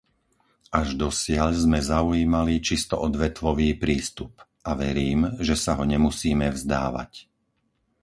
Až dosiaľ sme zaujímali čisto odvetvový prístup, a verím, že sa ho nemusíme vzdávať.